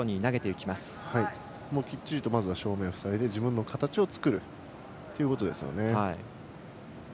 きっちりと正面を塞いで自分の形を作るということですね。